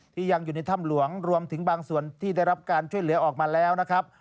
ยังอยู่ในถ้ำหลวงรวมถึงบางส่วนที่ได้รับการช่วยเหลือออกมาแล้วนะครับ